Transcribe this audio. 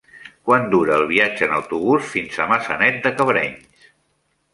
Quant dura el viatge en autobús fins a Maçanet de Cabrenys?